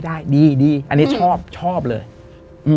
แล้วโลเคชั่นที่ทางทีมงานจัดอะครับพี่แจ๊ค